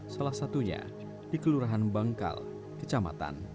salah satunya di kelurahan bangkal kecamatan